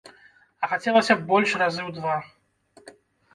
А хацелася б больш разы ў два.